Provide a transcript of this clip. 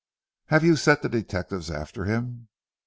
"Have you set the detectives after him?"